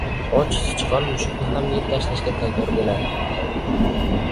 • Och sichqon mushukni ham yeb tashlashga tayyor bo‘ladi.